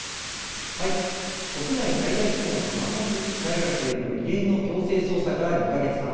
国内最大規模のマンモス大学への異例の強制捜査から２か月半。